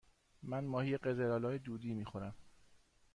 من ماهی قزل آلا دودی می خورم.